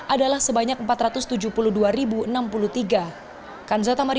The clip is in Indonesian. adalah sebanyak empat ratus tujuh puluh dua enam puluh tiga